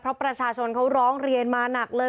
เพราะประชาชนเขาร้องเรียนมาหนักเลย